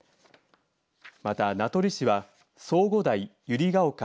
また名取市は相互台、ゆりが丘、